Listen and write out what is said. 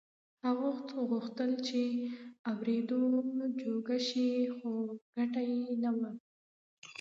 هغه غوښتل د اورېدو جوګه شي خو ګټه يې نه وه.